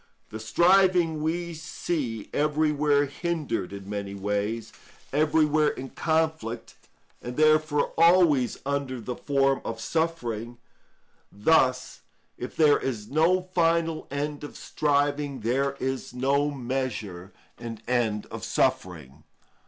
The striving we see everywhere hindered in many ways, everywhere in conflict, and therefore always under the form of suffering. Thus, if there is no final end of striving, there is no measure and end of suffering.